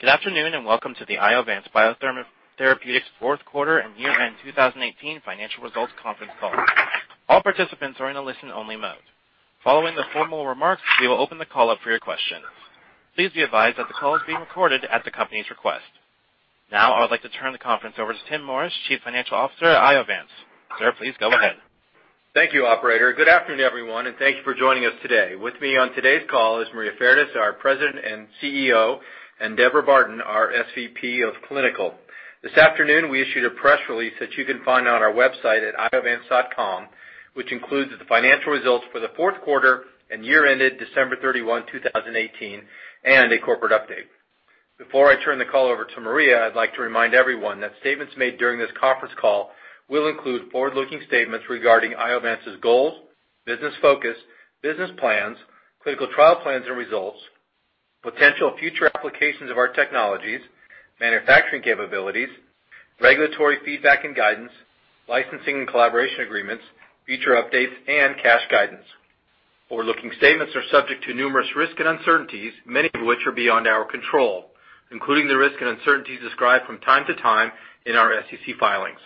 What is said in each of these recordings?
Good afternoon, and welcome to the Iovance Biotherapeutics Q4 and year-end 2018 financial results conference call. All participants are in a listen-only mode. Following the formal remarks, we will open the call up for your questions. Please be advised that the call is being recorded at the company's request. I would like to turn the conference over to Tim Morris, Chief Financial Officer at Iovance. Sir, please go ahead. Thank you, operator. Good afternoon, everyone, and thank you for joining us today. With me on today's call is Maria Fardis, our President and CEO, and Deborah Barton, our SVP of Clinical. This afternoon, we issued a press release that you can find on our website at iovance.com, which includes the financial results for the Q4 and year ended December 31st, 2018, and a corporate update. Before I turn the call over to Maria, I'd like to remind everyone that statements made during this conference call will include forward-looking statements regarding Iovance's goals, business focus, business plans, clinical trial plans and results, potential future applications of our technologies, manufacturing capabilities, regulatory feedback and guidance, licensing and collaboration agreements, feature updates, and cash guidance. Forward-looking statements are subject to numerous risks and uncertainties, many of which are beyond our control, including the risks and uncertainties described from time to time in our SEC filings.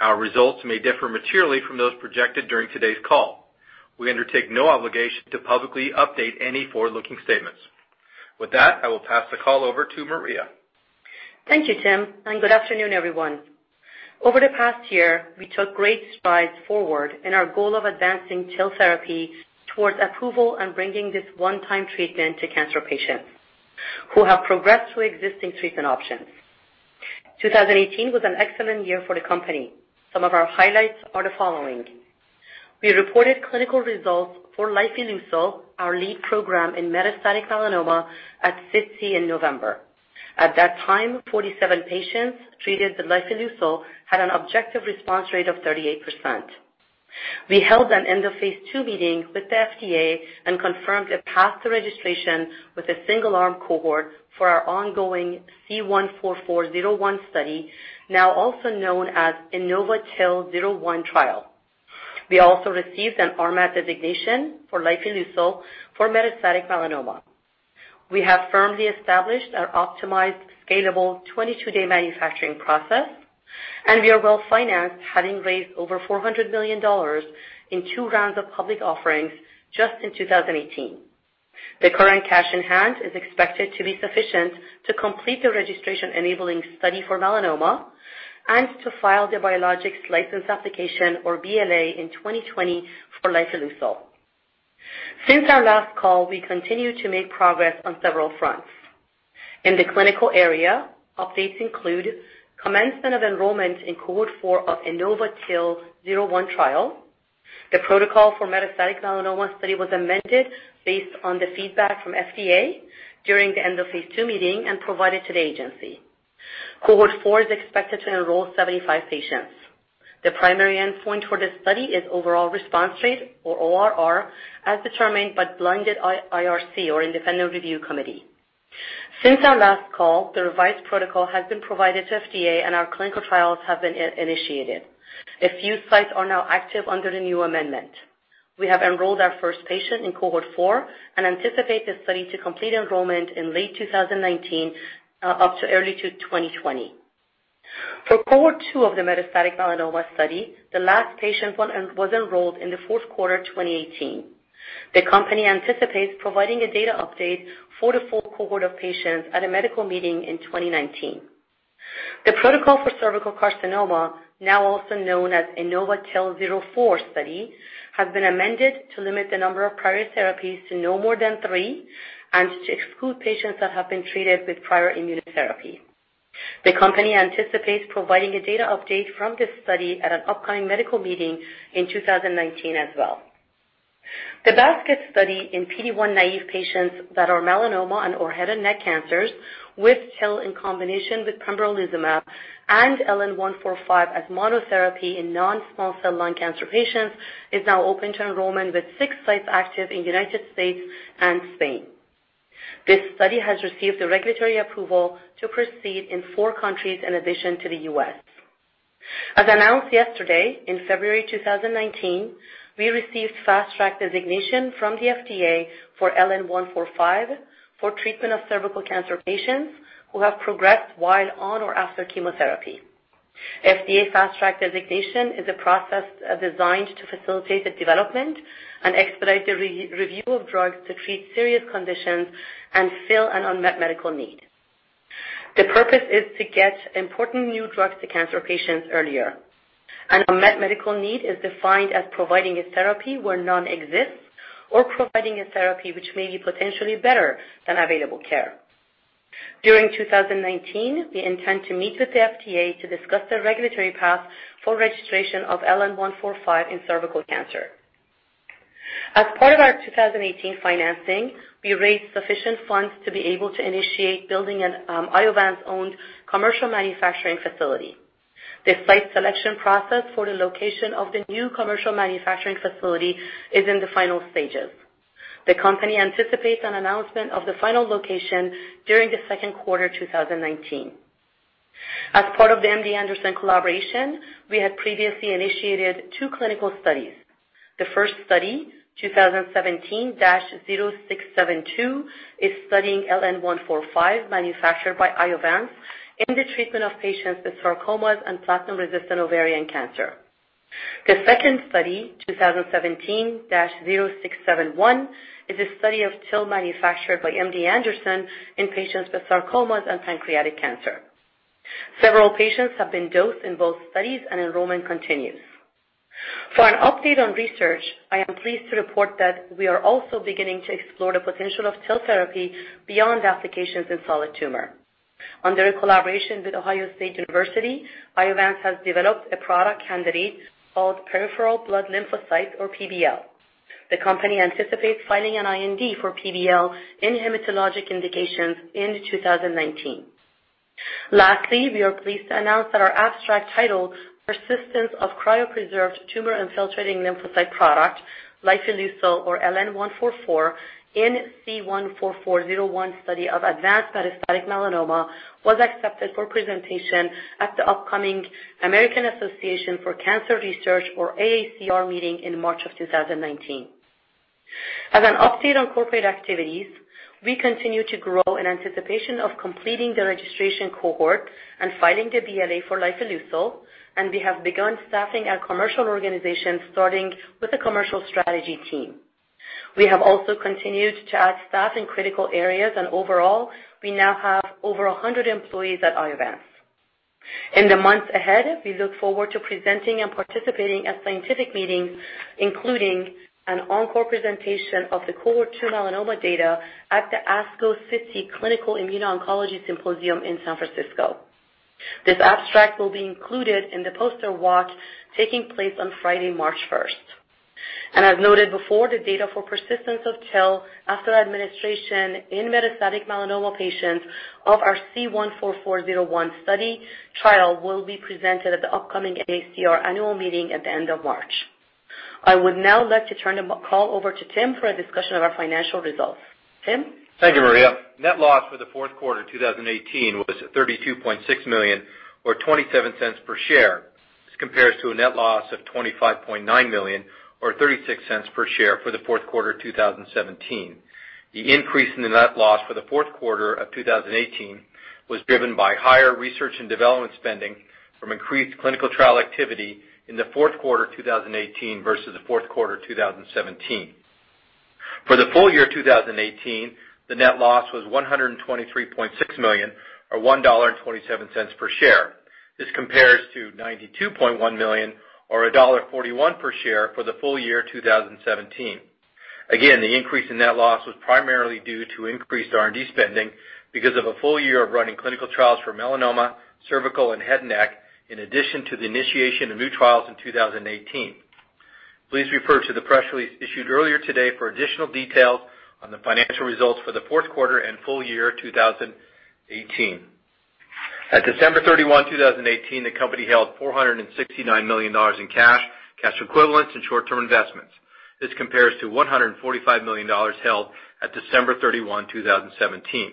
Our results may differ materially from those projected during today's call. We undertake no obligation to publicly update any forward-looking statements. With that, I will pass the call over to Maria. Thank you, Tim, and good afternoon, everyone. Over the past year, we took great strides forward in our goal of advancing TIL therapy towards approval and bringing this one-time treatment to cancer patients who have progressed through existing treatment options. 2018 was an excellent year for the company. Some of our highlights are the following. We reported clinical results for lifileucel, our lead program in metastatic melanoma at SITC in November. At that time, 47 patients treated with lifileucel had an objective response rate of 38%. We held an end-of-phase II meeting with the FDA and confirmed a path to registration with a single-arm cohort for our ongoing C-144-01 study, now also known as innovaTIL-01 trial. We also received an RMAT designation for lifileucel for metastatic melanoma. We have firmly established our optimized, scalable 22-day manufacturing process, and we are well-financed, having raised over $400 million in two rounds of public offerings just in 2018. The current cash in hand is expected to be sufficient to complete the registration-enabling study for melanoma and to file the biologics license application, or BLA, in 2020 for lifileucel. Since our last call, we continue to make progress on several fronts. In the clinical area, updates include commencement of enrollment in Cohort 4 of innovaTIL-01 trial. The protocol for metastatic melanoma study was amended based on the feedback from FDA during the end of phase II meeting and provided to the agency. Cohort 4 is expected to enroll 75 patients. The primary endpoint for this study is overall response rate, or ORR, as determined by blinded IRC, or independent review committee. Since our last call, the revised protocol has been provided to FDA, and our clinical trials have been initiated. A few sites are now active under the new amendment. We have enrolled our first patient in Cohort 4 and anticipate this study to complete enrollment in late 2019, up to early 2020. For Cohort 2 of the metastatic melanoma study, the last patient was enrolled in the Q4 2018. The company anticipates providing a data update for the full cohort of patients at a medical meeting in 2019. The protocol for cervical carcinoma, now also known as innovaTIL-04 study, has been amended to limit the number of prior therapies to no more than three and to exclude patients that have been treated with prior immunotherapy. The company anticipates providing a data update from this study at an upcoming medical meeting in 2019 as well. The basket study in PD-1 naive patients that are melanoma and/or head and neck cancers with TIL in combination with pembrolizumab and LN-145 as monotherapy in non-small cell lung cancer patients is now open to enrollment with six sites active in the United States and Spain. This study has received the regulatory approval to proceed in four countries in addition to the U.S. As announced yesterday, in February 2019, we received Fast Track designation from the FDA for LN-145 for treatment of cervical cancer patients who have progressed while on or after chemotherapy. FDA Fast Track designation is a process designed to facilitate the development and expedite the review of drugs to treat serious conditions and fill an unmet medical need. The purpose is to get important new drugs to cancer patients earlier. An unmet medical need is defined as providing a therapy where none exists or providing a therapy which may be potentially better than available care. During 2019, we intend to meet with the FDA to discuss the regulatory path for registration of LN-145 in cervical cancer. As part of our 2018 financing, we raised sufficient funds to be able to initiate building an Iovance-owned commercial manufacturing facility. The site selection process for the location of the new commercial manufacturing facility is in the final stages. The company anticipates an announcement of the final location during the Q2 2019. As part of the MD Anderson collaboration, we had previously initiated two clinical studies. The first study, 2017-0672, is studying LN-145 manufactured by Iovance in the treatment of patients with sarcomas and platinum-resistant ovarian cancer. The second study, 2017-0671, is a study of TIL manufactured by MD Anderson in patients with sarcomas and pancreatic cancer. Several patients have been dosed in both studies and enrollment continues. For an update on research, I am pleased to report that we are also beginning to explore the potential of TIL therapy beyond applications in solid tumor. Under a collaboration with Ohio State University, Iovance has developed a product candidate called peripheral blood lymphocytes, or PBL. The company anticipates filing an IND for PBL in hematologic indications in 2019. Lastly, we are pleased to announce that our abstract title, "Persistence of Cryopreserved Tumor Infiltrating Lymphocyte Product, lifileucel, or LN-144, in C-144-01 Study of Advanced Metastatic Melanoma," was accepted for presentation at the upcoming American Association for Cancer Research, or AACR, meeting in March of 2019. As an update on corporate activities, we continue to grow in anticipation of completing the registration cohort and filing the BLA for lifileucel, we have begun staffing our commercial organization, starting with a commercial strategy team. We have also continued to add staff in critical areas, and overall, we now have over 100 employees at Iovance. In the months ahead, we look forward to presenting and participating at scientific meetings, including an encore presentation of the cohort 2 melanoma data at the ASCO-SITC Clinical Immuno-Oncology Symposium in San Francisco. This abstract will be included in the poster walk taking place on Friday, March 1st. As noted before, the data for persistence of TIL after administration in metastatic melanoma patients of our C-144-01 study trial will be presented at the upcoming AACR annual meeting at the end of March. I would now like to turn the call over to Tim for a discussion of our financial results. Tim? Thank you, Maria. Net loss for the Q4 2018 was $32.6 million or $0.27 per share. This compares to a net loss of $25.9 million or $0.36 per share for the Q4 2017. The increase in the net loss for the Q4 of 2018 was driven by higher research and development spending from increased clinical trial activity in the Q4 2018 versus the Q4 2017. For the full year 2018, the net loss was $123.6 million or $1.27 per share. This compares to $92.1 million or $1.41 per share for the full year 2017. Again, the increase in net loss was primarily due to increased R&D spending because of a full year of running clinical trials for melanoma, cervical, and head and neck, in addition to the initiation of new trials in 2018. Please refer to the press release issued earlier today for additional details on the financial results for the Q4 and full year 2018. At December 31st, 2018, the company held $469 million in cash equivalents, and short-term investments. This compares to $145 million held at December 31st, 2017.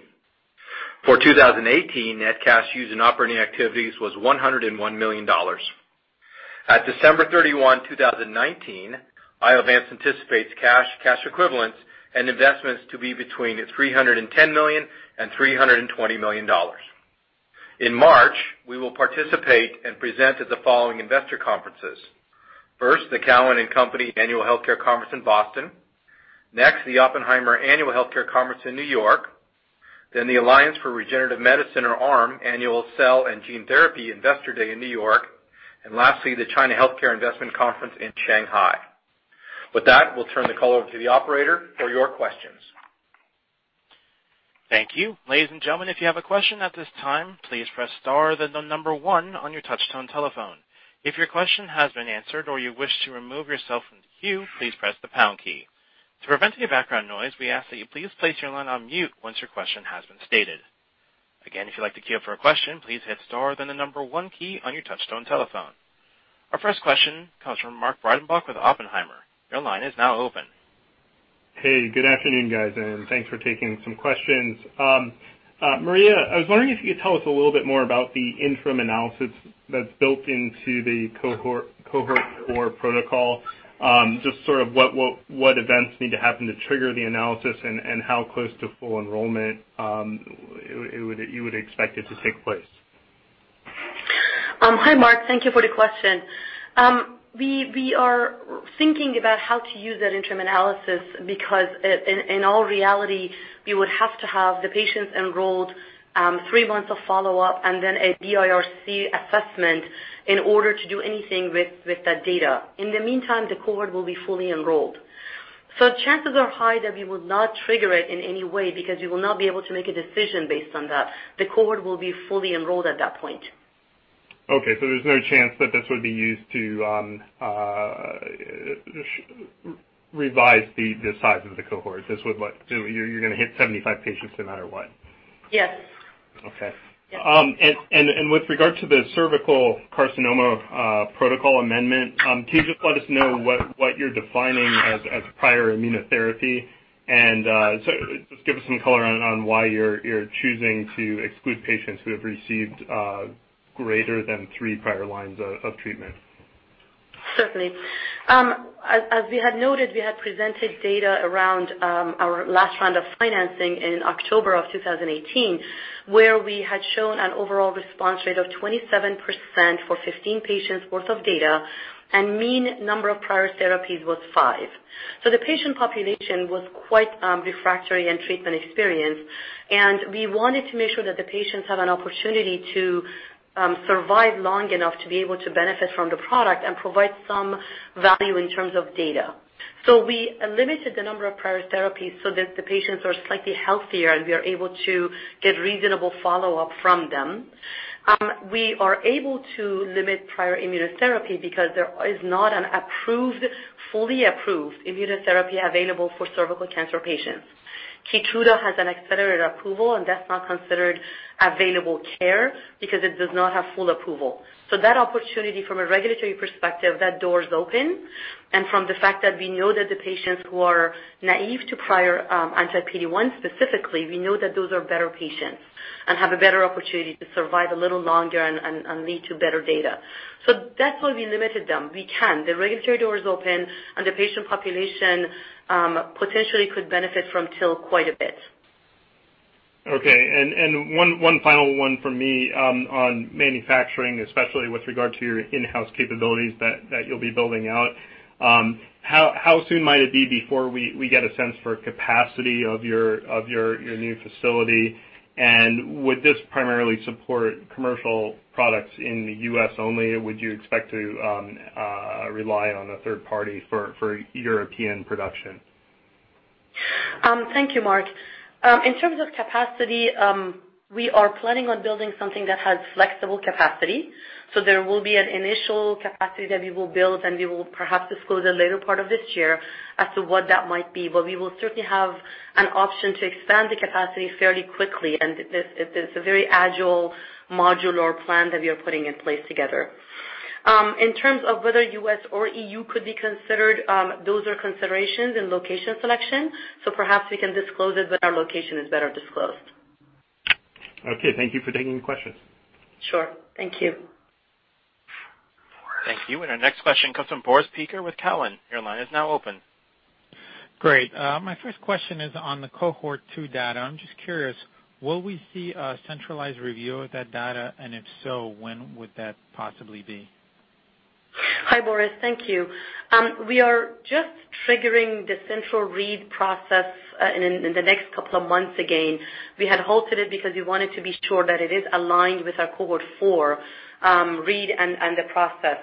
For 2018, net cash used in operating activities was $101 million. At December 31st, 2019, Iovance anticipates cash equivalents, and investments to be between $310 million and $320 million. In March, we will participate and present at the following investor conferences. First, the Cowen and Company Annual Healthcare Conference in Boston. Next, the Oppenheimer Annual Healthcare Conference in New York. The Alliance for Regenerative Medicine, or ARM, Annual Cell and Gene Therapy Investor Day in New York. Lastly, the China Healthcare Investment Conference in Shanghai. With that, we'll turn the call over to the operator for your questions. Thank you. Ladies and gentlemen, if you have a question at this time, please press star then the number one on your touchtone telephone. If your question has been answered or you wish to remove yourself from the queue, please press the pound key. To prevent any background noise, we ask that you please place your line on mute once your question has been stated. Again, if you'd like to queue up for a question, please hit star then the number one key on your touchtone telephone. Our first question comes from Mark Breidenbach with Oppenheimer. Your line is now open. Hey, good afternoon, guys, thanks for taking some questions. Maria, I was wondering if you could tell us a little bit more about the interim analysis that's built into the cohort 4 protocol. Just sort of what events need to happen to trigger the analysis and how close to full enrollment you would expect it to take place. Hi, Mark. Thank you for the question. We are thinking about how to use that interim analysis because in all reality, we would have to have the patients enrolled, three months of follow-up, and then a BICR assessment in order to do anything with that data. In the meantime, the cohort will be fully enrolled. Chances are high that we would not trigger it in any way because we will not be able to make a decision based on that. The cohort will be fully enrolled at that point. Okay, there's no chance that this would be used to revise the size of the cohort. You're going to hit 75 patients no matter what. Yes. Okay. Yes. With regard to the cervical carcinoma protocol amendment, can you just let us know what you're defining as prior immunotherapy? Just give us some color on why you're choosing to exclude patients who have received greater than three prior lines of treatment. Certainly. As we had noted, we had presented data around our last round of financing in October of 2018, where we had shown an overall response rate of 27% for 15 patients worth of data, and mean number of prior therapies was five. The patient population was quite refractory and treatment experienced, and we wanted to make sure that the patients had an opportunity to survive long enough to be able to benefit from the product and provide some value in terms of data. We limited the number of prior therapies so that the patients are slightly healthier, and we are able to get reasonable follow-up from them. We are able to limit prior immunotherapy because there is not an approved, fully approved, immunotherapy available for cervical cancer patients. KEYTRUDA has an accelerated approval, and that's not considered available care because it does not have full approval. That opportunity from a regulatory perspective, that door is open, and from the fact that we know that the patients who are naive to prior anti-PD-1 specifically, we know that those are better patients and have a better opportunity to survive a little longer and lead to better data. That's why we limited them. We can. The regulatory door is open, and the patient population potentially could benefit from TIL quite a bit. Okay, one final one from me on manufacturing, especially with regard to your in-house capabilities that you'll be building out. How soon might it be before we get a sense for capacity of your new facility? Would this primarily support commercial products in the U.S. only? Would you expect to rely on a third party for European production? Thank you, Mark. In terms of capacity, we are planning on building something that has flexible capacity. There will be an initial capacity that we will build, and we will perhaps disclose the later part of this year as to what that might be. We will certainly have an option to expand the capacity fairly quickly, and it is a very agile modular plan that we are putting in place together. In terms of whether U.S. or E.U. could be considered, those are considerations in location selection, perhaps we can disclose it when our location is better disclosed. Okay. Thank you for taking the question. Sure. Thank you. Thank you. Our next question comes from Boris Peaker with Cowen. Your line is now open. Great. My first question is on the Cohort 2 data. I'm just curious, will we see a centralized review of that data? If so, when would that possibly be? Hi, Boris. Thank you. We are just triggering the central read process, in the next couple of months again. We had halted it because we wanted to be sure that it is aligned with our Cohort 4 read and the process.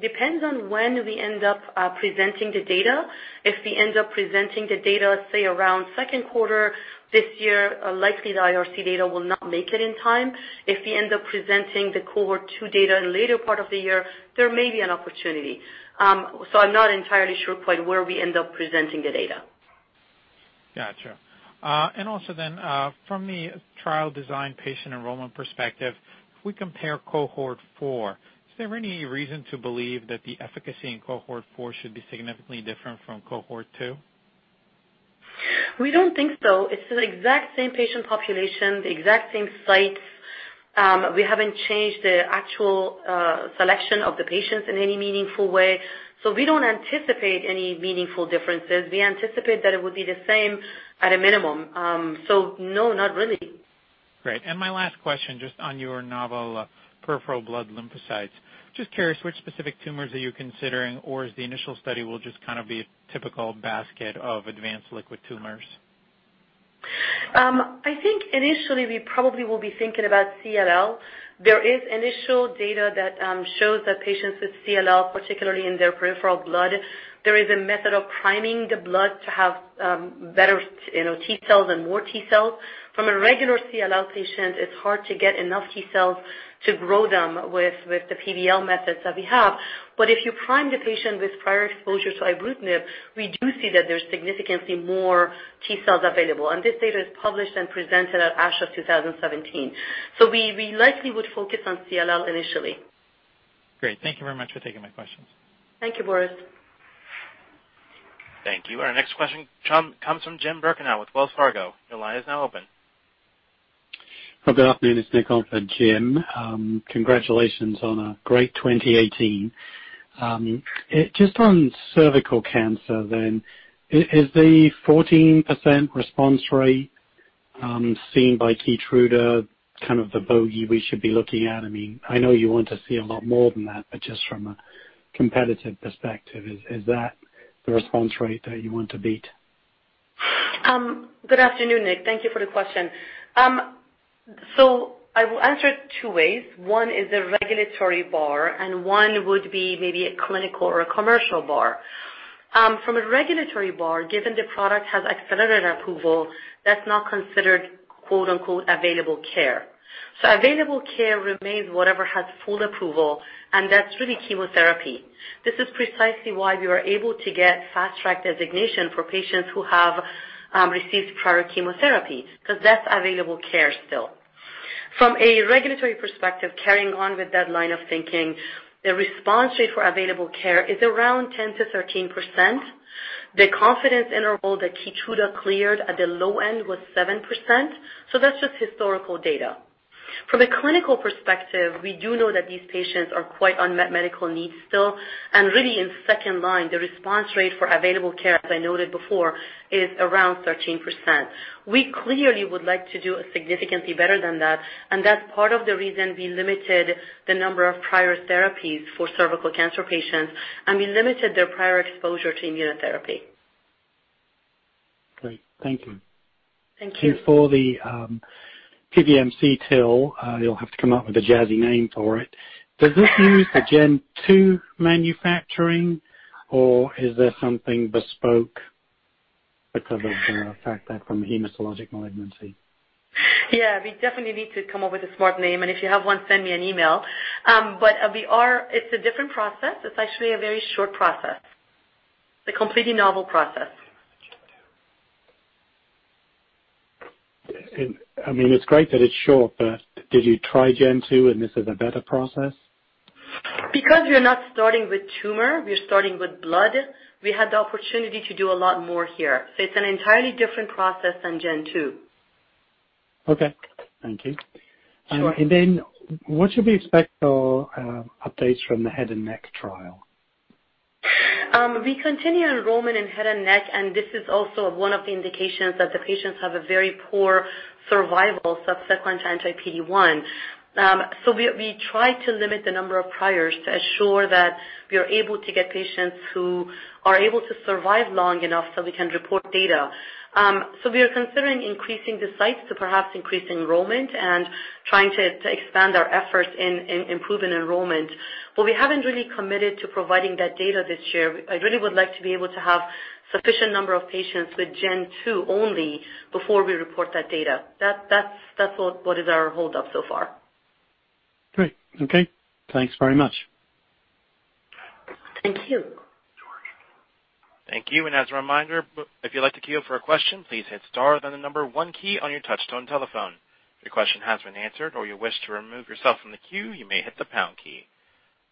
Depends on when we end up presenting the data. If we end up presenting the data, say, around Q2 this year, likely the IRC data will not make it in time. If we end up presenting the Cohort 2 data in later part of the year, there may be an opportunity. I'm not entirely sure quite where we end up presenting the data. Gotcha. From the trial design patient enrollment perspective, if we compare Cohort 4, is there any reason to believe that the efficacy in Cohort 4 should be significantly different from Cohort 2? We don't think so. It's the exact same patient population, the exact same sites. We haven't changed the actual selection of the patients in any meaningful way. We don't anticipate any meaningful differences. We anticipate that it would be the same at a minimum. No, not really. Great. My last question, just on your novel peripheral blood lymphocytes. Just curious, which specific tumors are you considering, or as the initial study will just kind of be a typical basket of advanced liquid tumors? I think initially we probably will be thinking about CLL. There is initial data that shows that patients with CLL, particularly in their peripheral blood, there is a method of priming the blood to have better T cells and more T cells. From a regular CLL patient, it's hard to get enough T cells to grow them with the PBL methods that we have. If you prime the patient with prior exposure to ibrutinib, we do see that there's significantly more T cells available, and this data is published and presented at ASH 2017. We likely would focus on CLL initially. Great. Thank you very much for taking my questions. Thank you, Boris. Thank you. Our next question comes from Jim Birchenough with Wells Fargo. Your line is now open. Good afternoon. It's Nick on for Jim. Congratulations on a great 2018. Just on cervical cancer then, is the 14% response rate seen by KEYTRUDA kind of the bogey we should be looking at? I know you want to see a lot more than that, but just from a competitive perspective, is that the response rate that you want to beat? Good afternoon, Nick. Thank you for the question. I will answer it two ways. One is a regulatory bar, and one would be maybe a clinical or a commercial bar. From a regulatory bar, given the product has accelerated approval, that's not considered "available care." Available care remains whatever has full approval, and that's really chemotherapy. This is precisely why we were able to get fast track designation for patients who have received prior chemotherapy because that's available care still. From a regulatory perspective, carrying on with that line of thinking, the response rate for available care is around 10%-13%. The confidence interval that KEYTRUDA cleared at the low end was 7%. That's just historical data. From a clinical perspective, we do know that these patients are quite unmet medical needs still. Really in second line, the response rate for available care, as I noted before, is around 13%. We clearly would like to do significantly better than that, and that's part of the reason we limited the number of prior therapies for cervical cancer patients, and we limited their prior exposure to immunotherapy. Great. Thank you. Thank you. For the PBMC TIL, you'll have to come up with a jazzy name for it. Does this use the Gen 2 manufacturing or is there something bespoke because of the fact that from hematologic malignancy? We definitely need to come up with a smart name, and if you have one, send me an email. It's a different process. It's actually a very short process, a completely novel process. I mean, it's great that it's short, but did you try Gen 2 and this is a better process? Because we are not starting with tumor, we are starting with blood, we had the opportunity to do a lot more here. It's an entirely different process than Gen 2. Okay. Thank you. Sure. What should we expect for updates from the head and neck trial? We continue enrollment in head and neck, and this is also one of the indications that the patients have a very poor survival subsequent to anti-PD-1. We try to limit the number of priors to assure that we are able to get patients who are able to survive long enough so we can report data. We are considering increasing the sites to perhaps increase enrollment and trying to expand our efforts in improving enrollment. We haven't really committed to providing that data this year. I really would like to be able to have sufficient number of patients with Gen 2 only before we report that data. That's what is our hold up so far. Great. Okay. Thanks very much. Thank you. Thank you. As a reminder, if you'd like to queue for a question, please hit star, then the number 1 key on your touchtone telephone. If your question has been answered or you wish to remove yourself from the queue, you may hit the pound key.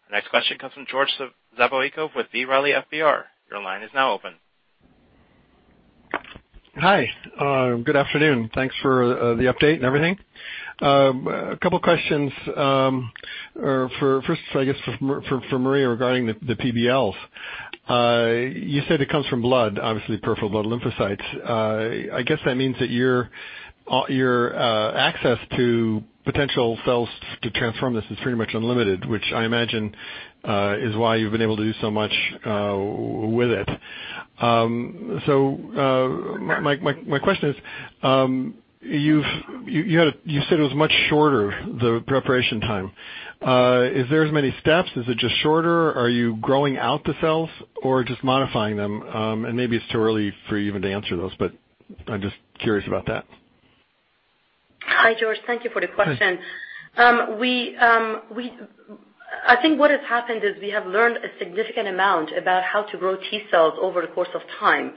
The next question comes from George Zavoico with B. Riley FBR. Your line is now open. Hi. Good afternoon. Thanks for the update and everything. A couple questions. First, I guess for Maria regarding the PBLs. You said it comes from blood, obviously peripheral blood lymphocytes. I guess that means that your access to potential cells to transform this is pretty much unlimited, which I imagine is why you've been able to do so much with it. My question is, you said it was much shorter, the preparation time. Is there as many steps? Is it just shorter? Are you growing out the cells or just modifying them? Maybe it's too early for you even to answer those, but I'm just curious about that. Hi, George. Thank you for the question. Hi. I think what has happened is we have learned a significant amount about how to grow T cells over the course of time.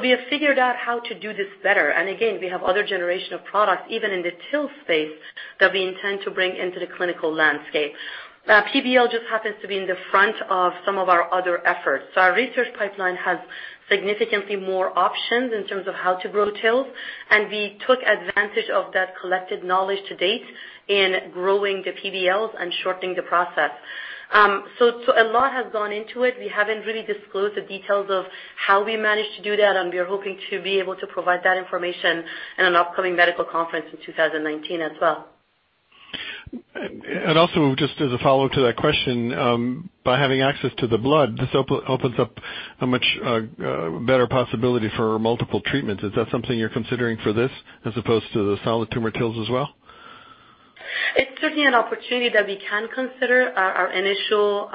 We have figured out how to do this better, and again, we have other generation of products, even in the TIL space, that we intend to bring into the clinical landscape. PBL just happens to be in the front of some of our other efforts. Our research pipeline has significantly more options in terms of how to grow TILs, and we took advantage of that collected knowledge to date in growing the PBLs and shortening the process. A lot has gone into it. We haven't really disclosed the details of how we managed to do that, and we are hoping to be able to provide that information in an upcoming medical conference in 2019 as well. Also, just as a follow to that question, by having access to the blood, this opens up a much better possibility for multiple treatments. Is that something you're considering for this as opposed to the solid tumor TILs as well? It's certainly an opportunity that we can consider. Our initial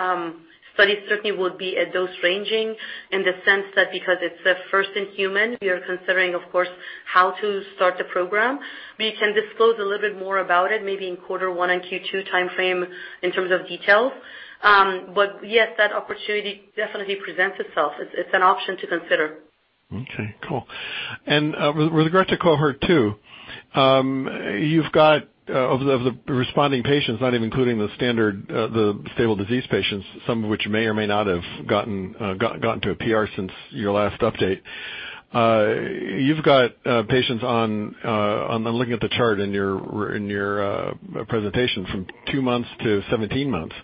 studies certainly would be a dose ranging in the sense that because it's a first in human, we are considering, of course, how to start the program. We can disclose a little bit more about it maybe in quarter one and Q2 timeframe in terms of details. Yes, that opportunity definitely presents itself. It's an option to consider. Okay, cool. With regard to cohort 2, you've got, of the responding patients, not even including the stable disease patients, some of which may or may not have gotten to a PR since your last update. You've got patients on, I'm looking at the chart in your presentation from two months to 17 months,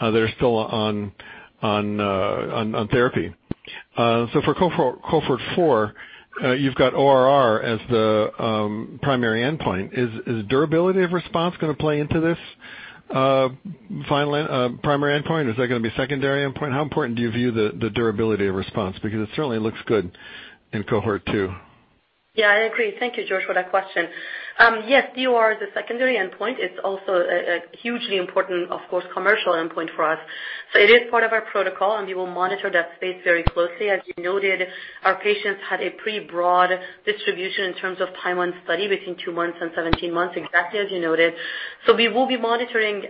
that are still on therapy. For cohort 4, you've got ORR as the primary endpoint. Is durability of response going to play into this primary endpoint? Is that going to be secondary endpoint? How important do you view the durability of response? Because it certainly looks good in cohort 2. I agree. Thank you, George, for that question. Yes, DOR is a secondary endpoint. It's also a hugely important, of course, commercial endpoint for us. It is part of our protocol, and we will monitor that space very closely. As you noted, our patients had a pretty broad distribution in terms of time on study within two months and 17 months, exactly as you noted. We will be monitoring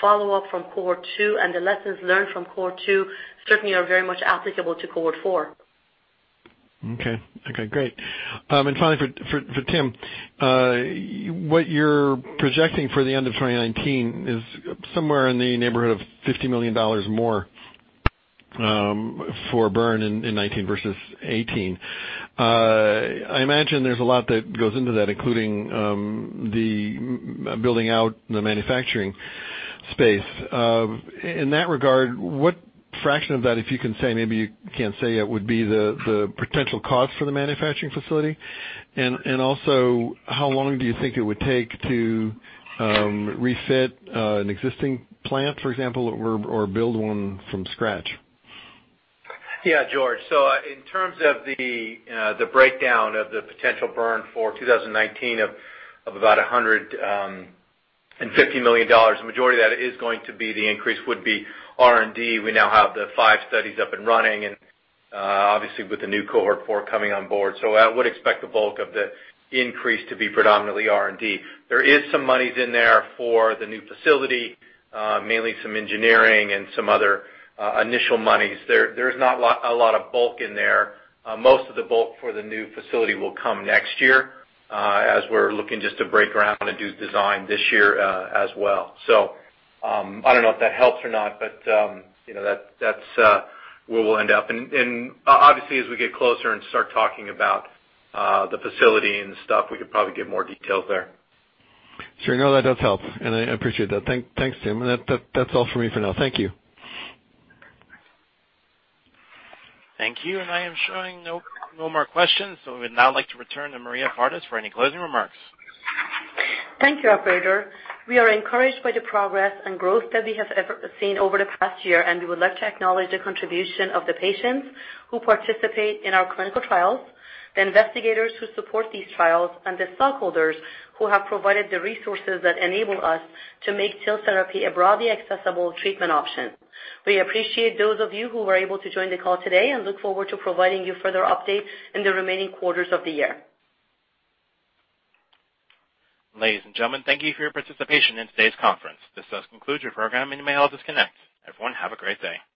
follow-up from cohort two, and the lessons learned from cohort two certainly are very much applicable to cohort four. Okay. Great. Finally, for Tim, what you're projecting for the end of 2019 is somewhere in the neighborhood of $50 million more for burn in 2019 versus 2018. I imagine there's a lot that goes into that, including the building out the manufacturing space. In that regard, what fraction of that, if you can say, maybe you can't say yet, would be the potential cost for the manufacturing facility? Also, how long do you think it would take to refit an existing plant, for example, or build one from scratch? Yeah, George. In terms of the breakdown of the potential burn for 2019 of about $150 million, the majority of that is going to be the increase would be R&D. We now have the five studies up and running and obviously with the new cohort four coming on board. I would expect the bulk of the increase to be predominantly R&D. There is some monies in there for the new facility, mainly some engineering and some other initial monies. There is not a lot of bulk in there. Most of the bulk for the new facility will come next year, as we're looking just to break ground and do design this year as well. I don't know if that helps or not, but that's where we'll end up. Obviously as we get closer and start talking about the facility and stuff, we could probably give more details there. Sure. No, that does help. I appreciate that. Thanks, Tim. That's all for me for now. Thank you. Thank you. I am showing no more questions, so we would now like to return to Maria Fardis for any closing remarks. Thank you, operator. We are encouraged by the progress and growth that we have seen over the past year. We would like to acknowledge the contribution of the patients who participate in our clinical trials, the investigators who support these trials, and the stockholders who have provided the resources that enable us to make cell therapy a broadly accessible treatment option. We appreciate those of you who were able to join the call today, look forward to providing you further updates in the remaining quarters of the year. Ladies and gentlemen, thank you for your participation in today's conference. This does conclude your program. You may all disconnect. Everyone, have a great day.